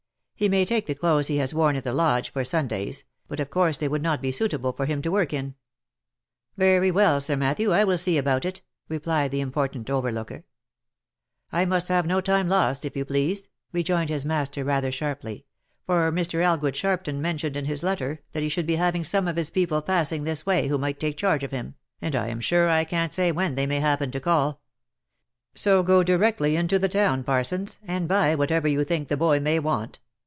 He may take the clothes he has worn at the lodge, for Sundays, but of course they would not be suitable for him to work in." " Very well, Sir Matthew, I will see about it," replied the important overlooker. " I must have no time lost, if you please," rejoined his master rather sharply ; "for Mr. Elgood Sharp ton mentioned in his letter, that he should be having some of his people passing this way who might take charge of him, and I am sure I can't say when they may happen, to call. So go directly into the town, Parsons, and buy whatever you think the boy may want.